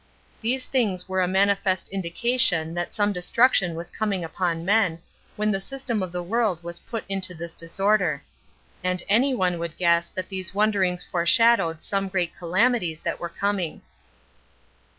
These things were a manifest indication that some destruction was coming upon men, when the system of the world was put into this disorder; and any one would guess that these wonders foreshowed some grand calamities that were coming.